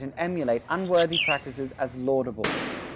321 and emulate unworthy practices as laudable.